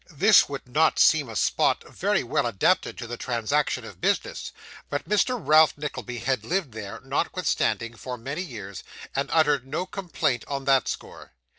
This would not seem a spot very well adapted to the transaction of business; but Mr. Ralph Nickleby had lived there, notwithstanding, for many years, and uttered no complaint on that score.